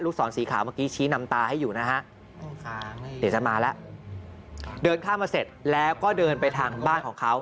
ศรสีขาวเมื่อกี้ชี้นำตาให้อยู่นะฮะเดี๋ยวจะมาแล้วเดินข้ามมาเสร็จแล้วก็เดินไปทางบ้านของเขา